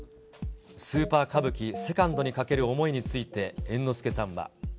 スーパー歌舞伎ＩＩにかける思いについて、猿之助さんは。